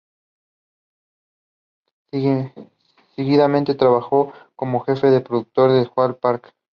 Seguidamente, trabajó como jefe de producto en Hewlett-Packard.